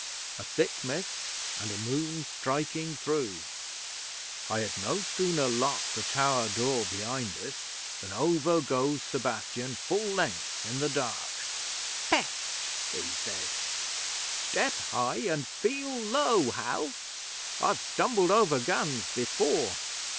A thick mist, and a moon striking through. 'I had no sooner locked the tower door behind us than over goes Sebastian full length in the dark. '"Pest!" he says. "Step high and feel low, Hal. I've stumbled over guns before."